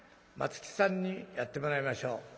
「松木さんにやってもらいましょう」。